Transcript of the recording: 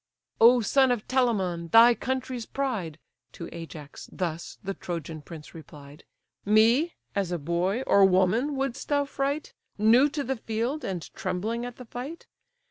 "O son of Telamon, thy country's pride! (To Ajax thus the Trojan prince replied) Me, as a boy, or woman, wouldst thou fright, New to the field, and trembling at the fight?